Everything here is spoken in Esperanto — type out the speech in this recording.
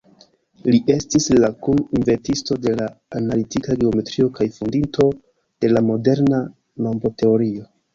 Li estis la kun-inventisto de la analitika geometrio kaj fondinto de la moderna nombroteorio.